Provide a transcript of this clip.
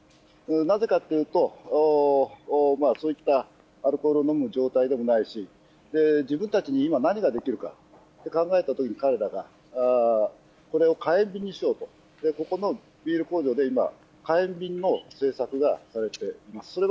なぜかというと、そういったアルコールを飲む状態でもないし、自分たちに今何ができるかって考えたときに彼らが、これを火炎瓶にしようと、ここのビール工場で今、火炎瓶の製作がされています。